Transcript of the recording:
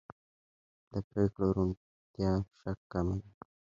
د پرېکړو روڼتیا شک کموي